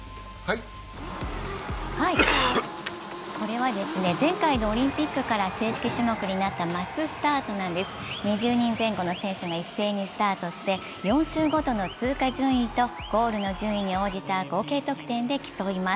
これは前回のオリンピックから正式種目になったマススタートなんです、２０人前後の選手が一斉にスタートして４周ごとの通過順位と合計得点で競います。